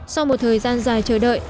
sau một thời gian dài chờ đợi